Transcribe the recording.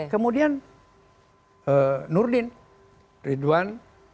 kemudian nurdin ridwan